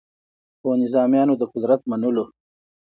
خو نظامیانو د قدرت منلو